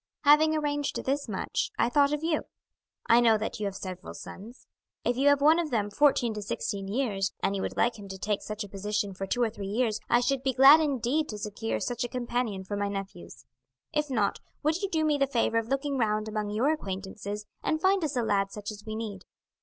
"Having arranged this much, I thought of you. I know that you have several sons. If you have one of from fourteen to sixteen years, and you would like him to take such a position for two or three years, I should be glad indeed to secure such a companion for my nephews. If not, would you do me the favour of looking round among your acquaintances and find us a lad such as we need.